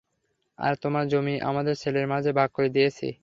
আর তোমার জমি আমার ছেলেদের মাঝে ভাগ করে দিয়েছি।